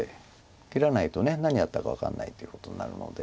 切らないと何やったか分かんないっていうことになるので。